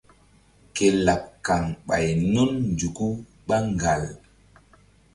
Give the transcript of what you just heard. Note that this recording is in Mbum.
Ke laɓ kaŋ ɓay nun nzuku ɓá ŋgal.